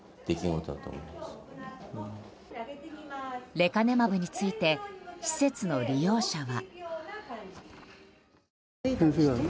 レカネマブについて施設の利用者は。